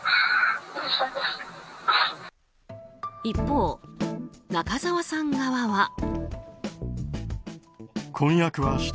一方、中澤さん側は。